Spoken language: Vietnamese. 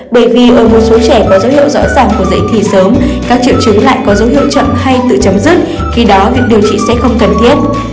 bởi vì ở một số trẻ có dấu hiệu rõ ràng của dạy thì sớm các triệu chứng lại có dấu hiệu chậm hay tự chấm dứt khi đó việc điều trị sẽ không cần thiết